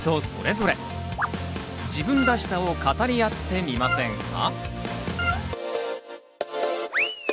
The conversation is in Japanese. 自分らしさを語り合ってみませんか？